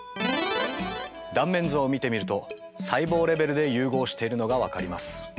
断面図を見てみると細胞レベルで融合しているのが分かります。